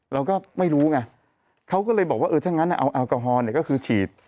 เราก็ไม่รู้ไงเขาก็เลยบอกว่าเออถ้างั้นเอาแอลกอฮอลเนี่ยก็คือฉีด